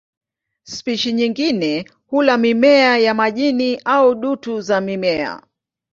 Spishi nyingine hula mimea ya majini au dutu za mimea.